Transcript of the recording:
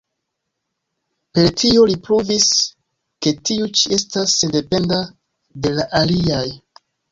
Per tio li pruvis, ke tiu ĉi estas sendependa de la aliaj.